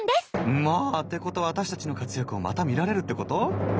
んまあ！ってことはアタシたちの活躍をまた見られるってこと！？